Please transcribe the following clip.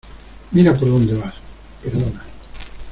¡ Mira por dónde vas! Perdona.